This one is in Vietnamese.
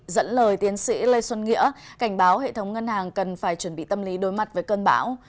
dẫn lời tiến sĩ lê xuân nghĩa cảnh báo hệ thống ngân hàng cần phải chuẩn bị tâm lý đối mặt với cơn bão